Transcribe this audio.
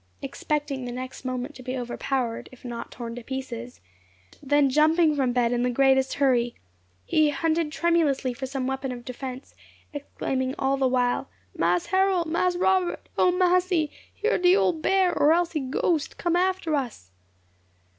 expecting the next moment to be overpowered, if not torn to pieces; then jumping from bed in the greatest hurry, he hunted tremulously for some weapon of defence, exclaiming all the while, "Mas Harrol! Mas Robbut! O massy! Here de ole bear, or else he ghost, come after us."